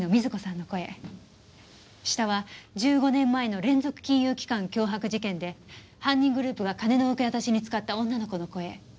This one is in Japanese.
下は１５年前の連続金融機関脅迫事件で犯人グループが金の受け渡しに使った女の子の声。